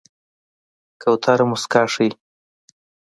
کوتره موسکا ښيي.